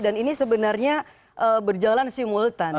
dan ini sebenarnya berjalan simultan